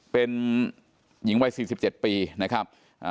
เป็นหญิงวัย๔๗ปีนะครับ